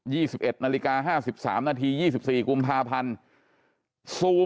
ี่สิบเอ็ดนาฬิกาห้าสิบสามนาทียี่สิบสี่กุมภาพันธ์ซู